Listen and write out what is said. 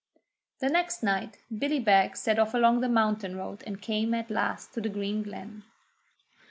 The next night Billy Beg set off along the mountain road and came at last to the green glen.